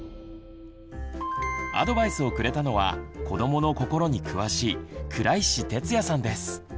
アドバイスをくれたのは子どもの心に詳しい倉石哲也さんです。